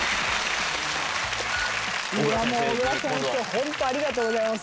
本当ありがとうございます。